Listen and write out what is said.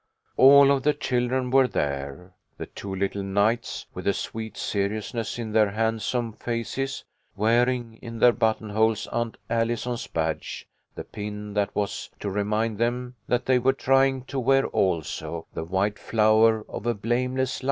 All of the children were there; the two little knights, with a sweet seriousness in their handsome faces, wearing in their buttonholes Aunt Allison's badge, the pin that was to remind them that they were trying to wear, also, "the white flower of a blameless life."